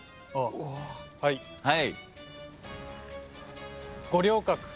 はい。